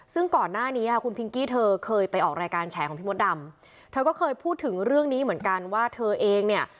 ซึ่งก่อนหน้านี้ค่ะคุณพิงกี้เธอเคยไปออกรายการแฉของพี่มดดำเธอก็เคยพูดถึงเรื่องนี้เหมือนกันว่าเธอเองเนี่ย